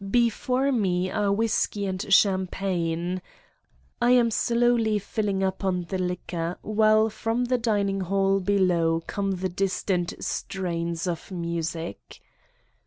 Before me are whiskey and champagne. I am slowly filling up on the liquor while from the din ing hall below come the distant strains of music.